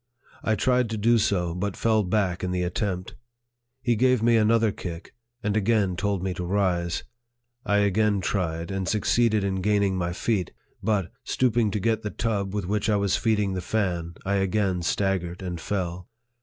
I tried to do so, but fell back in the attempt. He gave me another kick, and again told me to rise. I again tried, and succeeded in gaining my feet; but, stooping to get the tub with which I was feeding the fan, I again staggered and fell.